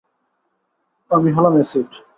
আমি হলাম এসিড।